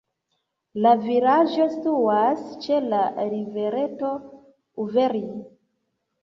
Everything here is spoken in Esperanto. La vilaĝo situas ĉe la rivereto "Uverj".